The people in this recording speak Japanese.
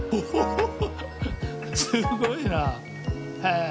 すごいな。